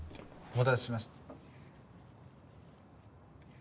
お待たせしました。